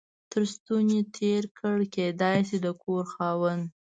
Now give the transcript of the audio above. تر ستوني تېر کړ، کېدای شي د کور خاوند.